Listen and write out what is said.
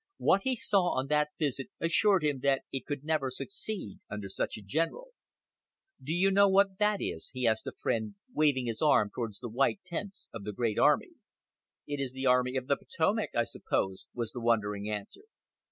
What he saw on that visit assured him that it could never succeed under such a general. "Do you know what that is?" he asked a friend, waving his arm towards the white tents of the great army. "It is the Army of the Potomac, I suppose," was the wondering answer.